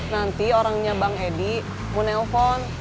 nanti orangnya bang eddy mau telepon